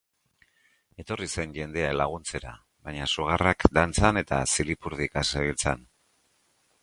Etorri zen jendea laguntzera, baina sugarrak dantzan eta zilipurdika zebiltzan.